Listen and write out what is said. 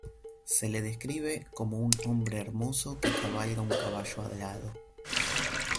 Se le describe como un hombre hermoso que cabalga un caballo alado.